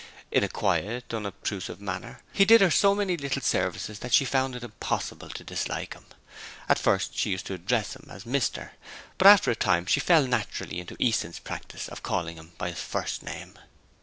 In a quiet, unobtrusive manner he did her so many little services that she found it impossible to dislike him. At first, she used to address him as 'Mr' but after a time she fell naturally into Easton's practice of calling him by his first name.